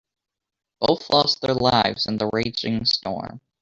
Both lost their lives in the raging storm.